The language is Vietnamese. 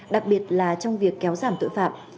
đặc biệt là trong việc kéo giảm tội phạm